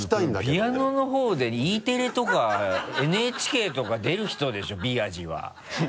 ピアノの方でＥテレとかＮＨＫとか出る人でしょ備安士は。